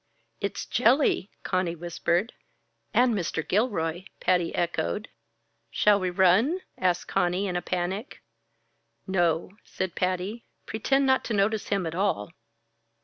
"It's Jelly!" Conny whispered. "And Mr. Gilroy," Patty echoed. "Shall we run?" asked Conny, in a panic. "No," said Patty, "pretend not to notice him at all."